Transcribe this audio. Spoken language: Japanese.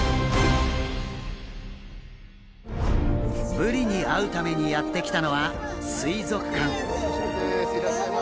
ブリに会うためにやって来たのは水族館。